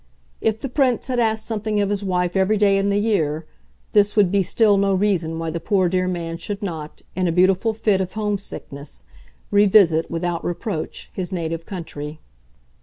If the Prince had asked something of his wife every day in the year, this would be still no reason why the poor dear man should not, in a beautiful fit of homesickness, revisit, without reproach, his native country.